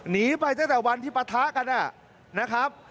หนีไปตั้งแต่วันที่ปะทะกันนะครับ